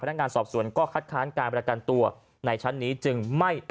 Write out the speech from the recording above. นักงานสอบสวนก็คัดค้านการประกันตัวในชั้นนี้จึงไม่